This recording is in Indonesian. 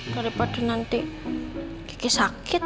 daripada nanti gigi sakit